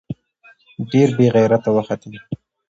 ډېر بې غېرته وختې.